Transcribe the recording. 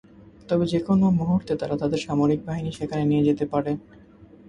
তবে যেকোনো মুহূর্তে তারা তাদের সামরিক বাহিনী সেখানে নিয়ে যেতে পারে।